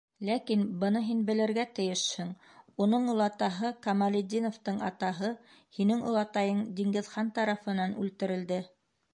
Ләкин... быны һин белергә тейешһең: уның олатаһы, Камалетдиновтың атаһы, һинең олатайың Диңгеҙхан тарафынан үлтерелде.